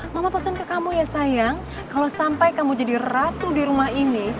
mama pesan ke kamu ya sayang kalau sampai kamu jadi ratu di rumah ini